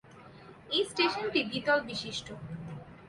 এই স্টেশনটি দ্বিতল বিশিষ্ট।